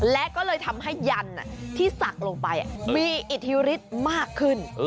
และก็เลยทำให้ยันที่ศักดิ์ลงไปมีอิทธิฤทธิ์มากขึ้น